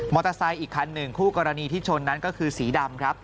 อีกคันหนึ่งคู่กรณีที่ชนนั้นก็คือสีดำครับ